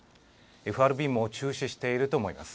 ＦＲＢも注視していると思います。